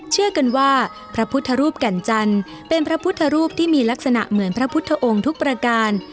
เชื่อกันว่าพระพุทธรูปแก่นจันทร์เป็นพระพุทธรูปที่มีลักษณะเหมือนพระพุทธองค์ทุกประการ